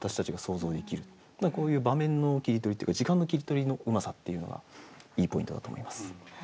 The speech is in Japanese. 何かこういう場面の切り取りっていうか時間の切り取りのうまさっていうのがいいポイントだと思います。